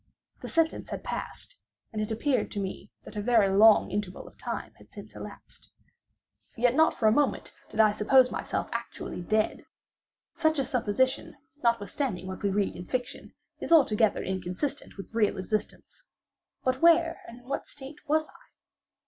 The sentence had passed; and it appeared to me that a very long interval of time had since elapsed. Yet not for a moment did I suppose myself actually dead. Such a supposition, notwithstanding what we read in fiction, is altogether inconsistent with real existence;—but where and in what state was I?